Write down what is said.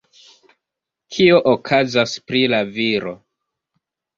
Kio okazas pri la viro?